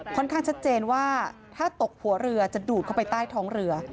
ชัดเจนว่าถ้าตกหัวเรือจะดูดเข้าไปใต้ท้องเรือ